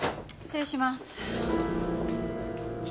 失礼します。